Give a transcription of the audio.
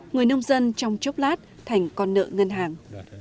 người nông dân trong chốc lát thành con nợ ngân hàng